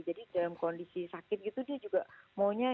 jadi dalam kondisi sakit gitu dia juga maunya